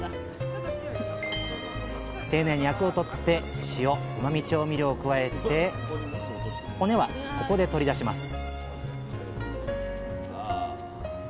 丁寧にアクを取って塩うまみ調味料を加えて骨はここで取り出します